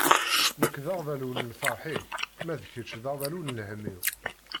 Nekk d aɣbalu n lferḥ-ik, ma d kečč d aɣbalu n lhemm-iw.